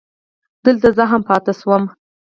دلته زه هم پاتې شوم.